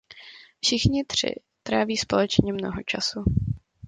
Všichni tři tráví společně mnoho času.